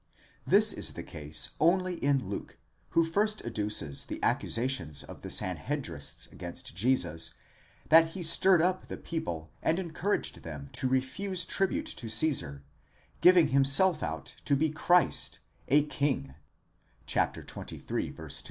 This is the case only in Luke, who first adduces the accusations of the San hedrists against Jesus, that he stirred up the people and encouraged them to refuse tribute to Ceesar, giving himself out to be Christ a king, Χριστὸν βασιλέα Xxill.